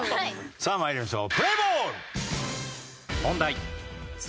さあ参りましょう。